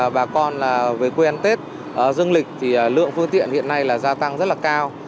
bà con về quê ăn tết dương lịch thì lượng phương tiện hiện nay là gia tăng rất là cao